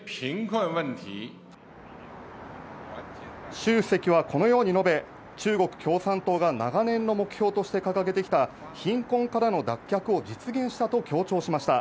シュウ主席はこのように述べ、中国共産党が長年の目標として掲げてきた貧困からの脱却を実現したと強調しました。